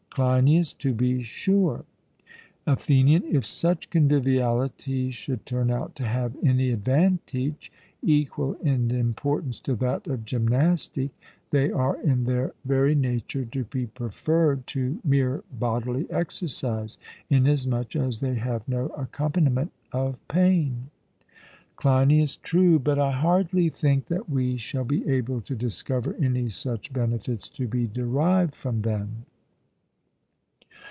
CLEINIAS: To be sure. ATHENIAN: If such convivialities should turn out to have any advantage equal in importance to that of gymnastic, they are in their very nature to be preferred to mere bodily exercise, inasmuch as they have no accompaniment of pain. CLEINIAS: True; but I hardly think that we shall be able to discover any such benefits to be derived from them.